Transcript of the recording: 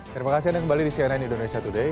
terima kasih anda kembali di cnn indonesia today